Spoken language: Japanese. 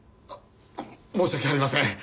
申し訳ありません。